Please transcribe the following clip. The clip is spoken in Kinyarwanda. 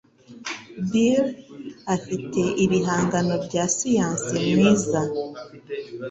Bill afite ibihangano bya siyanse mwiza.